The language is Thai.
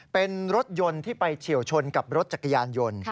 เป็นรถยนต์ที่ไปเฉียวชนกับรถจักรยานยนต์